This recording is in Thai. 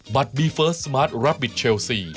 บัตต์บีเฟิร์สสมาร์ทรัปฟิตแชลซี